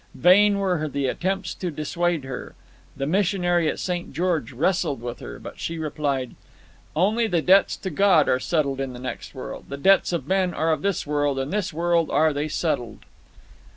Vain were the attempts to dissuade her. The missionary at St. George wrestled with her, but she replied— "Only the debts to God are settled in the next world. The debts of men are of this world, and in this world are they settled."